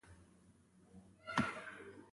مړه ته د حشر د ورځې امید کوو